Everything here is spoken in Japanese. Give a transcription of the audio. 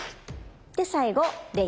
で最後礼。